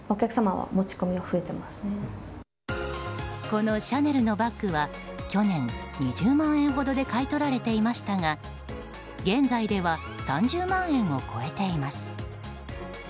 このシャネルのバッグは去年、２０万円ほどで買い取られていましたが現在では３０万円を超えています。